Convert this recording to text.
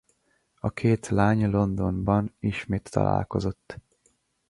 A két lány Londonban ismét találkozott.